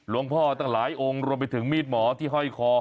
ลวงพ่อแต่หลายองค์โรนไปถึงมีดหมอที่ฮ้อยคอ